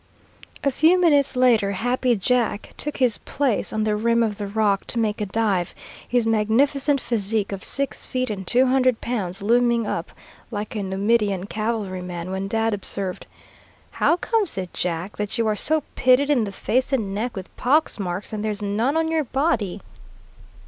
A few minutes later Happy Jack took his place on the rim of the rock to make a dive, his magnificent physique of six feet and two hundred pounds looming up like a Numidian cavalryman, when Dad observed, "How comes it, Jack, that you are so pitted in the face and neck with pox marks, and there's none on your body?"